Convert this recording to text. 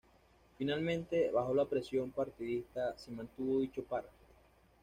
Finalmente, bajo la presión partidista, se mantuvo dicho párrafo.